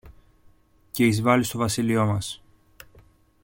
και εισβάλλει στο βασίλειό μας.